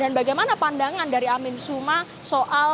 dan bagaimana pandangan dari amin suma soal pidato basuki c purnama